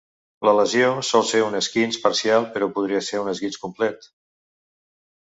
La lesió sol ser un esquinç parcial però podria ser un esquinç complet.